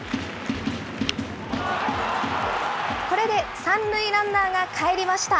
これで３塁ランナーがかえりました。